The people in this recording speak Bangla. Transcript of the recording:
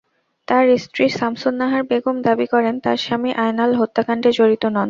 তাঁর স্ত্রী শামসুন্নাহার বেগম দাবি করেন, তাঁর স্বামী আয়নাল হত্যাকাণ্ডে জড়িত নন।